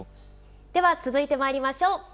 では続いてまいりましょう。